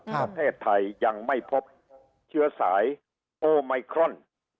ประเทศไทยยังไม่พบเชื้อสายโอไมครอน